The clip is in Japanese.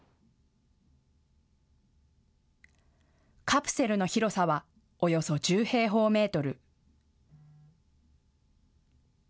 カプセルの広さはおよそ１０平方メートル。